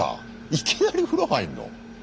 いきなり風呂入んの？